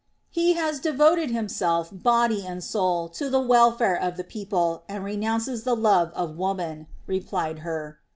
"He has devoted himself, body and soul, to the welfare of the people and renounces the love of woman," replied Hur.